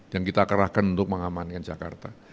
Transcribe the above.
yang kita kerahkan untuk mengamankan jakarta